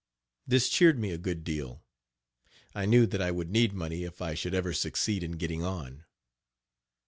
This cheered me a good deal. I knew that I would need money if I should ever succeed in getting on.